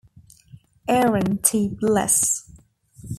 Aaron T. Bliss.